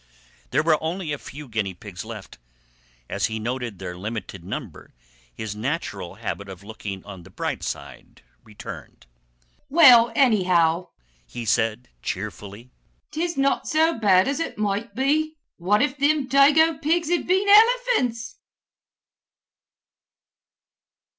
There were only a few guinea pigs left. As he noted their limited number his natural habit of looking on the bright side returned. "Well, annyhow," he said cheerfully, "'tis not so bad as ut might be. What if thim dago pigs had been elephants!"